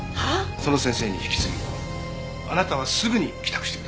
その先生に引き継ぎあなたはすぐに帰宅してください。